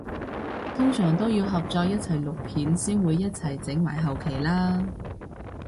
通常都要合作一齊錄片先會一齊整埋後期啦？